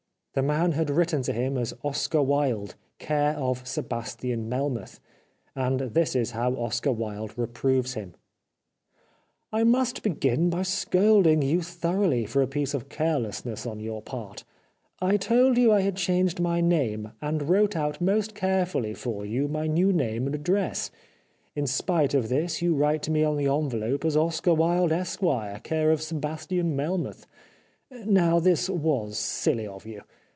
The man had written to him as " Oscar Wilde," " Care of Sebastian Melmoth," and this is how Oscar Wilde reproves him : "I must begin by scolding you thoroughly for a piece of carelessness on your part. I told you I had changed my name, and wrote out most carefully for you my new 405 The Life of Oscar Wilde name and address — in spite of this you write to me on the envelope as Oscar Wilde, Esqre., Care of Sebastian Melmoth. Now, this was silly of you.